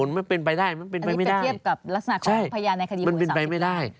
มันเป็นไปได้มันเป็นไปไม่ได้มันเป็นไปไม่ได้